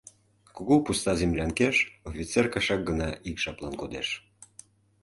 Кугу пуста землянкеш офицер кашак гына ик жаплан кодеш.